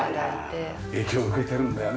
影響を受けてるんだよね。